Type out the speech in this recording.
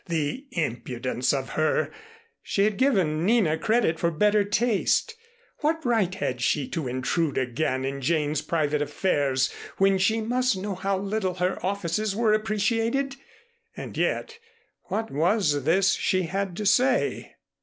The impudence of her! She had given Nina credit for better taste. What right had she to intrude again in Jane's private affairs when she must know how little her offices were appreciated? And yet, what was this she had to say?